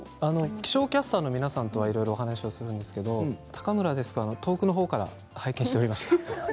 気象キャスターの皆さんとはお話しするんですが高村デスクは遠くのほうから拝見しておりました。